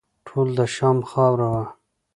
ټول د شام خاوره وه.